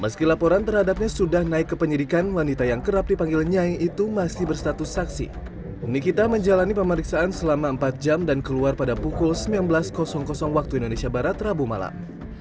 meski laporan terhadapnya sudah naik ke penyidikan wanita yang kerap dipanggil nyai itu masih berstatus saksi nikita menjalani pemeriksaan selama empat jam dan keluar pada pukul sembilan belas waktu indonesia barat rabu malam